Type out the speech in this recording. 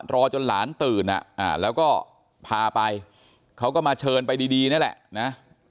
รอจนหลานตื่นแล้วก็พาไปเขาก็มาเชิญไปดีนี่แหละนะ